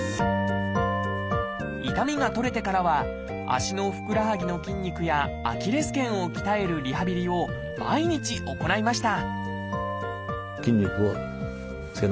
痛みが取れてからは足のふくらはぎの筋肉やアキレス腱を鍛えるリハビリを毎日行いました